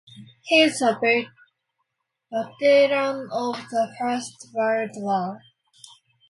He's a veteran of the First World War.